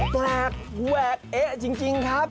แปลกแหวกเอ๊ะจริงครับ